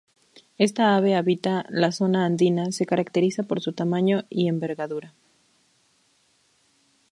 Esta ave habita la zona andina, se caracteriza por su tamaño y envergadura.